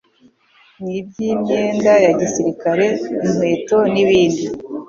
niby' imyenda ya gisirikare, inkweto nibindi